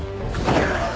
うっ！